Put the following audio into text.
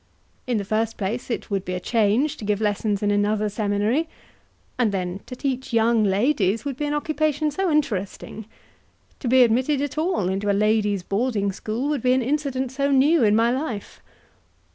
In the first place it would be a change to give lessons in another seminary, and then to teach young ladies would be an occupation so interesting to be admitted at all into a ladies' boarding school would be an incident so new in my life.